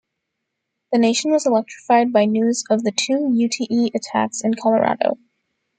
The nation was electrified by news of the two Ute attacks in Colorado.